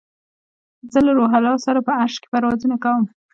زه له روح الله سره په عرش کې پروازونه کوم